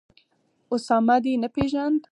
اسامه دي نه پېژاند